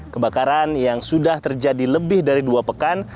kebakaran yang sudah terjadi lebih dari dua pekan